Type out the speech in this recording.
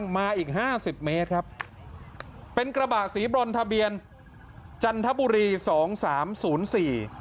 มาอีกห้าสิบเมตรครับเป็นกระบะสีบรอนทะเบียนจันทบุรีสองสามศูนย์สี่